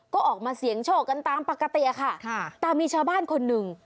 ก็ออกมาเสี่ยงโชคกันตามปกติอะค่ะแต่มีชาวบ้านคนหนึ่ง